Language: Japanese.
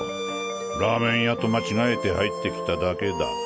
ラーメン屋と間違えて入ってきただけだ。